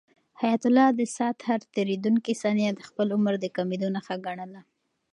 حیات الله د ساعت هر تېریدونکی ثانیه د خپل عمر د کمېدو نښه ګڼله.